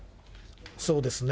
そうですね。